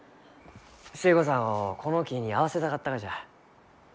寿恵子さんをこの木に会わせたかったがじゃ。